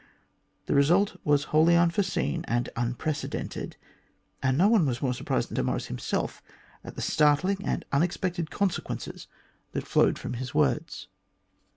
The result was wholly unforeseen and unprecedented, and no one was more surprised than Sir Maurice himself at the startling and unexpected conse quences that flowed from his words.